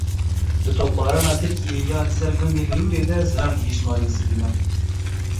Di topbarana Tirkiyeyê ya li ser gundê Hirûrê de zirar gihîşt malên sivîlan.